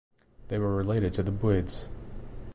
They were related to the Buyids.